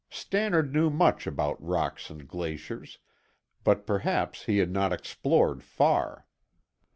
Stannard knew much about rocks and glaciers, but perhaps he had not explored far.